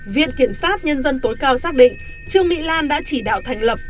viện kiểm sát nhân dân tối cao xác định trương mỹ lan đã chỉ đạo thành lập